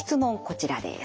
こちらです。